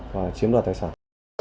và chiếm đoạt tài sản